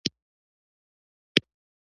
د ښو او بدو دواړو په مقابل کښي ښه کوئ!